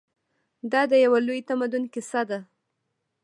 دا د یو لوی تمدن کیسه ده.